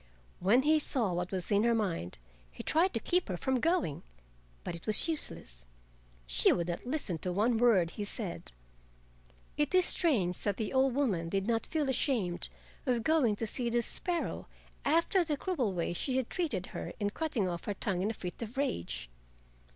When he saw what was in her mind he tried to keep her from going, but it was useless. She would not listen to one word he said. It is strange that the old woman did not feel ashamed of going to see the sparrow after the cruel way she had treated her in cutting off her tongue in a fit of rage.